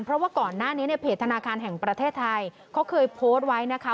เพราะว่าก่อนหน้านี้ในเพจธนาคารแห่งประเทศไทยเขาเคยโพสต์ไว้นะคะ